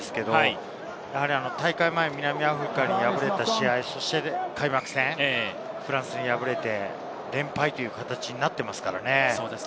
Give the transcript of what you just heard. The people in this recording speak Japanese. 大会前、南アフリカに敗れた試合、そして開幕戦、フランスに敗れて、連敗という形になっていますからね。